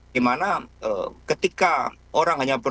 dimana ketika orang hanya